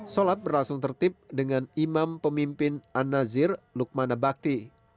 sholat berlangsung tertib dengan imam pemimpin an nazir lukmana bakti